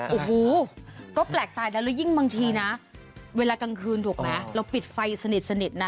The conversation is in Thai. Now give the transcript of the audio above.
อ๋ออู่หูเย็นโดยยิ่งบางทีนะเวลากลางคืนถูกไหมเราปิดไฟสนิทนะ